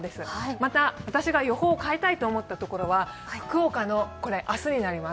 また私が予報を変えたいと思ったのは福岡の明日になります。